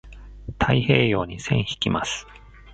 太平洋に線引きます。